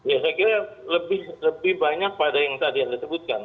ya saya kira lebih banyak pada yang tadi anda sebutkan